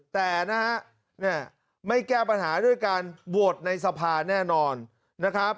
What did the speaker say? แต่นะฮะเนี่ยไม่แก้ปัญหาด้วยการโหวตในสภาแน่นอนนะครับ